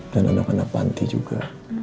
dan anak anak panti juga